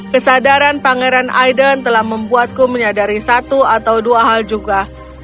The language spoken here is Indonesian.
kesadaran pangeran aiden telah membuatku menyadari satu atau dua hal juga